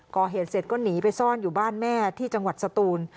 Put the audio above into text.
ก่อเหตุเสร็จก็หนีไปซ่อนอยู่บ้านแม่ที่จังหวัดสตูน